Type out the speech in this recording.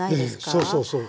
ええそうそうそう。